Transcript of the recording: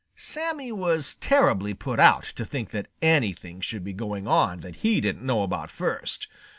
Sammy was terribly put out to think that anything should be going on that he didn't know about first.